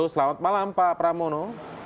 selamat malam pak pramono